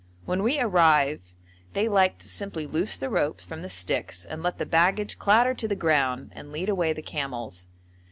When we arrived they liked to simply loose the ropes from the sticks and let the baggage clatter to the ground and lead away the camels.